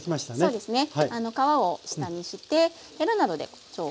そうですね。